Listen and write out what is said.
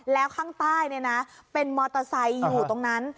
แล้วข้างใต้เป็นมอเตอร์ไซค์อยู่ตรงนั้น